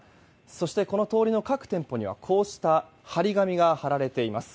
そしてこの通りの各店舗にはこうした貼り紙が貼られています。